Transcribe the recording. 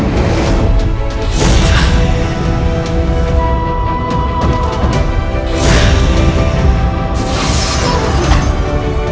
mengucapkan terima kasih terhadap anda